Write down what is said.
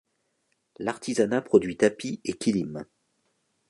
L'artisanat produit tapis et kilim.